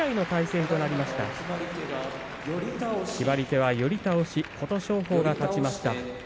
決まり手は寄り倒し琴勝峰が勝ちました。